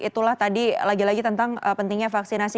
itulah tadi lagi lagi tentang pentingnya vaksinasi